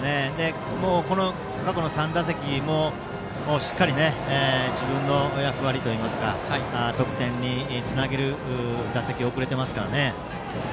過去の３打席も、しっかり自分の役割といいますか得点につなげる打席を送れていますから。